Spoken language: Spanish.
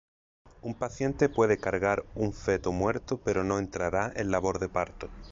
Un paciente puede cargar un feto muerto pero no entrará en labor de parto.